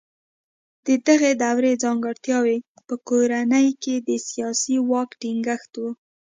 د دغې دورې ځانګړتیاوې په کورنۍ کې د سیاسي واک ټینګښت و.